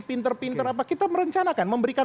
pinter pinter apa kita merencanakan memberikan